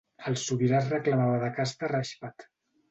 El sobirà es reclamava de casta rajput.